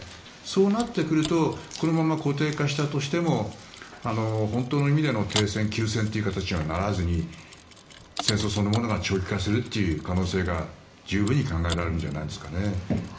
そうなってくるとこのまま固定化したとしても本当の意味での停戦、休戦という形にはならずに戦争そのものが長期化する可能性が十分に考えれるんじゃないですかね。